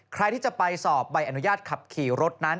ใครที่จะไปสอบใบอนุญาตขับขี่รถนั้น